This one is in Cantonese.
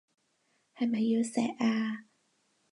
係咪要錫啊？